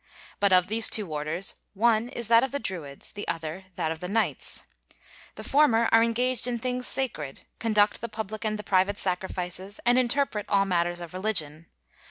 But of these two orders, one is that of the Druids, the other that of the knights. The former are engaged in things sacred, conduct the public and the private sacrifices, and interpret all matters of religion.